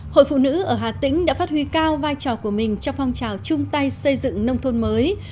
hội phụ nữ ở hà tĩnh đã phát huy cao vai trò của mình trong phong trào chung tay xây dựng nông thôn mới